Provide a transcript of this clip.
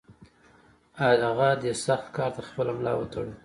هغه دې سخت کار ته خپله ملا وتړله.